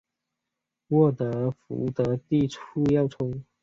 沃特福德地处要冲。